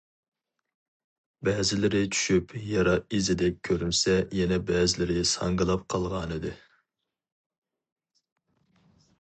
بەزىلىرى چۈشۈپ يارا ئىزىدەك كۆرۈنسە، يەنە بەزىلىرى ساڭگىلاپ قالغانىدى.